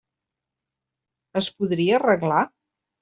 Es podria arreglar?